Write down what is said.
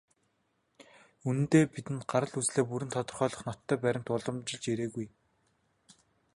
Үнэндээ, бидэнд гарал үүслээ бүрэн тодорхойлох ноттой баримт уламжилж ирээгүй.